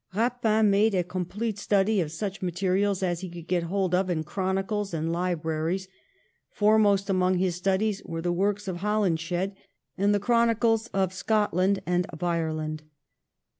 Eapin made a complete study of such materials as he could get hold of in chronicles and libraries. Foremost among his studies were the works of Holinshed and the Chronicles of Scotland and of Ireland.